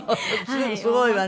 すごいわね。